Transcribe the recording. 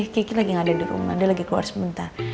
kiki lagi ada di rumah dia lagi keluar sebentar